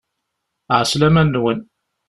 Ɛeslama-nwen!